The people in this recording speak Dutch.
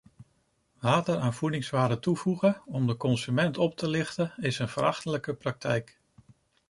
Water aan voedingswaren toevoegen om de consument op te lichten is een verachtelijke praktijk.